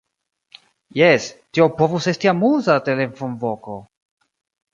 Jes, tio povus esti amuza telefonvoko!